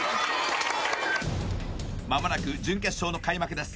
まもなく準決勝の開幕です